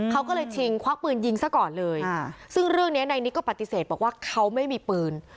เขาก็เลยชิงควักปืนยิงซะก่อนเลยซึ่งเรื่องนี้นายนิกก็ปฏิเสธบอกว่าเขาไม่มีปืน